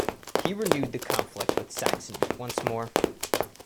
He renewed the conflict with Saxony once more.